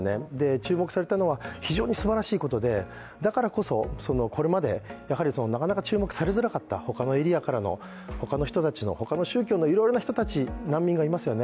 注目されたのは非常にすばらしいことで、だからこそ、これまでなかなか注目されづらかった他のエリアからの、他の人たちの、他の宗教のいろいろな人たち、難民がいますよね。